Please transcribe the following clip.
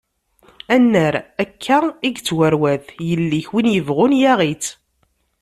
Annar, akka i yettarwat, yelli-k win yebɣun yaɣ-itt.